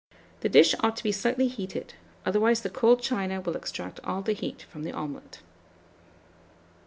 The dish ought to be slightly heated, otherwise the cold china will extract all the heat from the omelet.